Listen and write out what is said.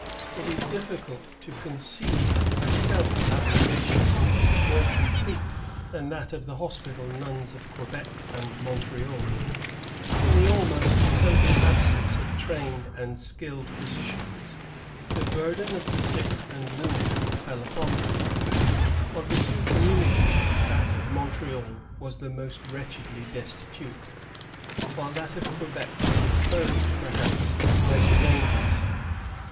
It is difficult to conceive a self abnegation more complete than that of the hospital nuns of Quebec and Montreal. In the almost total absence ^ Marie de rincamation, iMtre de — Septembre, 1661. 168 PRIESTS AND PEOPLE. [1662 1714. of trained and skilled physicians, the burden of the sick and wounded fell upon them. Of the two communities, that of Montreal was the more wretch edly destitute, whilei that of Quebec was exposed, perhaps, to greater dangers.